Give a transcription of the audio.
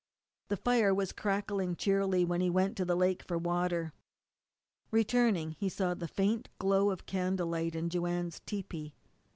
The fire was crackling cheerily when he went to the lake for water. Returning he saw the faint glow of candlelight in Joanne's tepee.